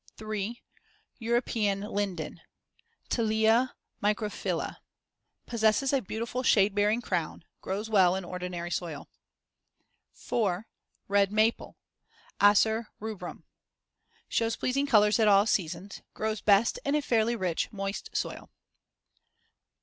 3. European linden (Tilia microphylla) Possesses a beautiful shade bearing crown; grows well in ordinary soil. 4. Red maple (Acer rubrum) Shows pleasing colors at all seasons; grows best in a fairly rich, moist soil.